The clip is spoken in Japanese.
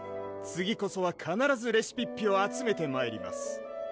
次こそはかならずレシピッピを集めてまいります